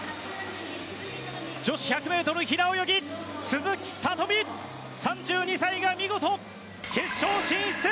女子１００ｍ平泳ぎ鈴木聡美、３２歳が見事、決勝進出！